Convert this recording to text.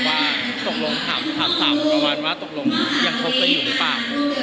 ว่าตกลงถามประมาณว่าตกลงยังคบกันอยู่หรือเปล่า